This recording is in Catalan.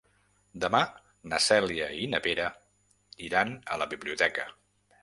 Demà na Cèlia i na Vera iran a la biblioteca.